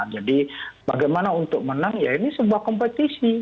jadi bagaimana untuk menang ya ini sebuah kompetisi